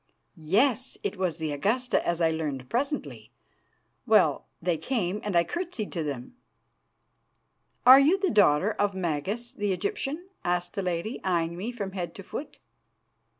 "Yes, it was the Augusta, as I learned presently. Well, they came, and I curtsied to them. "'Are you the daughter of Magas, the Egyptian?' asked the lady, eyeing me from head to foot.